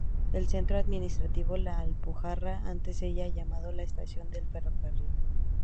El centro administrativo La Alpujarra antes era llamado la estación del ferrocarril.